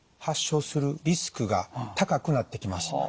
発症するリスクが高くなってきます。